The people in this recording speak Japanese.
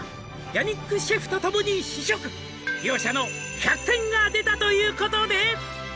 「ヤニックシェフとともに試食」「両者の１００点が出たということで」